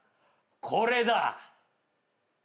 これだ。